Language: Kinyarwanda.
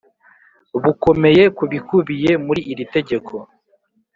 bukomeye ku bikubiye muri iri tegeko